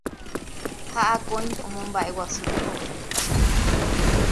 ha akóinte omomba'eguasu tekove